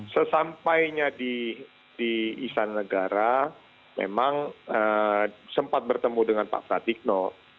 sesampainya di istana negara memang sempat bertemu dengan pak pratikno